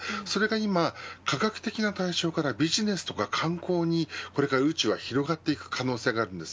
今は、科学的な対象からビジネスから観光にこれから宇宙は広がっていく可能性があります。